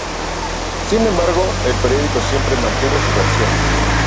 Sin embargo, el periódico siempre mantuvo su versión.